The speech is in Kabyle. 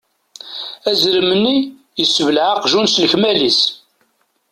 Azrem-nni yessebleε aqjun s lekmal-is.